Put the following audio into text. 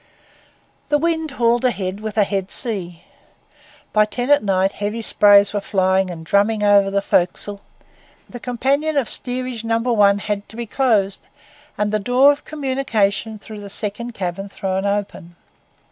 The wind hauled ahead with a head sea. By ten at night heavy sprays were flying and drumming over the forecastle; the companion of Steerage No. 1 had to be closed, and the door of communication through the second cabin thrown open.